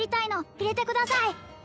入れてください